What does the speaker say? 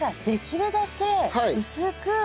できるだけ薄く？